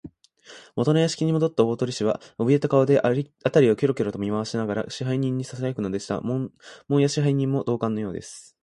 もとの座敷にもどった大鳥氏は、おびえた顔で、あたりをキョロキョロと見まわしながら、支配人にささやくのでした。門野支配人も同感のようです。